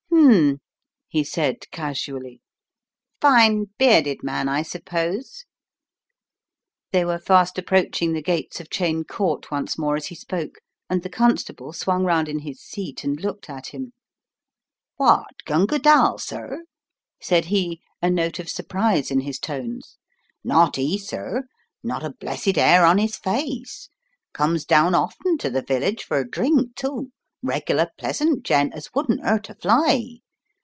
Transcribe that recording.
"Hm," he said, casually. "Fine, bearded man I suppose?" They were fast approaching the gates of Cheyne Court once more as he spoke, and the con* stable swung round in his seat and looked at him. "What, Gunga Dall, sir?" said he, a note of sur prise in his tones. "Not 'e sir, not a blessed 'air on his face. Comes down often to the village for a drink, too, regular pleasant gent as wouldn't 'urt a fly.